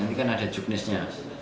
ini kan ada juknisnya